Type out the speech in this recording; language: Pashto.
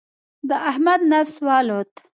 د احمد نفس والوت.